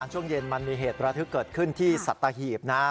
ช่วงเย็นมันมีเหตุระทึกเกิดขึ้นที่สัตหีบนะ